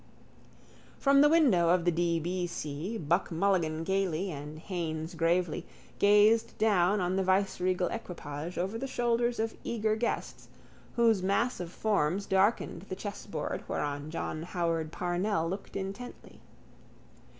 From the window of the D. B. C. Buck Mulligan gaily, and Haines gravely, gazed down on the viceregal equipage over the shoulders of eager guests, whose mass of forms darkened the chessboard whereon John Howard Parnell looked intently.